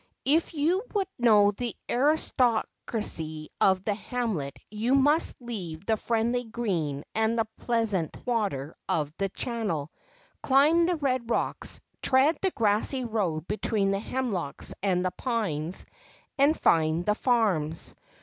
If you would know the aristocracy of the hamlet you must leave the friendly Green and the pleasant water of the Channel, climb the red rocks, tread the grassy road between the hemlocks and the pines, and find the farms.